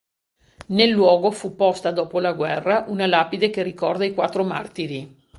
Nel luogo fu posta dopo la guerra una lapide che ricorda i quattro martiri.